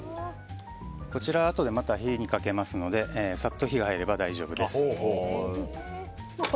こちら、あとでまた火にかけますのでサッと火が入れば大丈夫です。